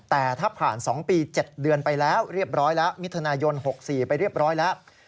แต่ถ้าผ่าน๒ปี๗เดือนไปแล้วมิถุนายน๖๔ไปเรียบร้อยแล้ว